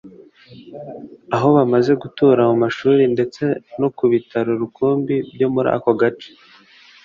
aho bamaze gutura mu mashuri ndetse no ku bitaro rukumbi byo muri ako gace